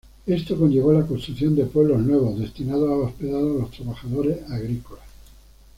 Esto conllevó la construcción de pueblos nuevos destinados a hospedar a los trabajadores agrícolas.